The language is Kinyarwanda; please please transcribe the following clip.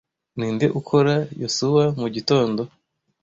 Ninde ukora Yosuwa mugitondo?